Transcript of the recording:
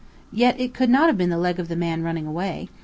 Yet it could not have been the leg of the man running away.